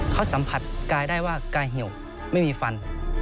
เขาสัมผัสกายได้ว่ากายเหี่ยวไม่มีฟัน